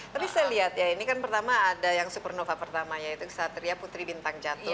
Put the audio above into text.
tapi saya lihat ya ini kan pertama ada yang supernova pertama yaitu satria putri bintang jatuh